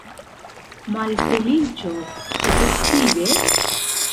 Malfeliĉo, efektive?